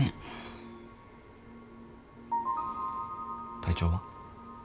体調は？